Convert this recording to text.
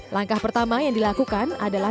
langkah pertama yang dilakukan adalah